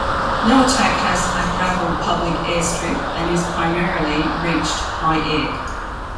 Noatak has a gravel public airstrip and is primarily reached by air.